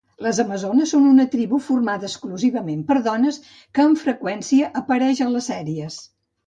Les amazones són una tribu formada exclusivament per dones que amb freqüència apareix a les sèries.